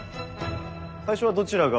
最初はどちらが？